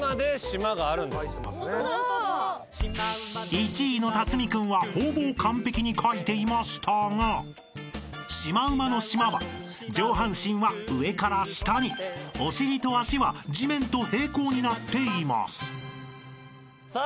［１位の辰巳君はほぼ完璧に描いていましたがシマウマのしまは上半身は上から下にお尻と脚は地面と平行になっています］